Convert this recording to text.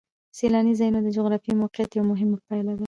سیلاني ځایونه د جغرافیایي موقیعت یوه مهمه پایله ده.